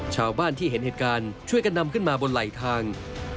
ชาวบ้านที่เห็นเหตุการณ์ช่วยกันนำขึ้นมาบนไหลทาง